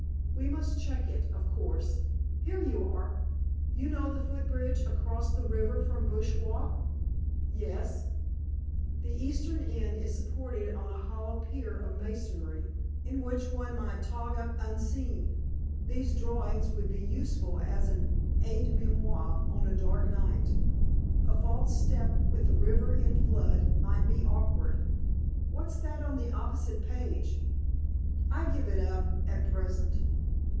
We must check it, of course. Here you are! You know the footbridge across the river from Bush Walk?" "Yes." "The eastern end is supported on a hollow pier of masonry, in which one might tog up unseen. These drawings would be useful as an Aide Memoire on a dark night. A false step, with the river in flood, might be awkward." "What's that on the opposite page?" "I give it up—at present."